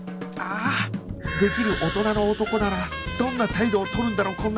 ああできる大人の男ならどんな態度を取るんだろう？